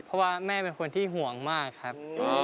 เพราะว่าแม่เป็นคนที่ห่วงมากครับ